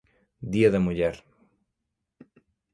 Día da Muller.